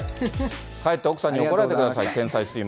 帰って奥さんに怒られてください。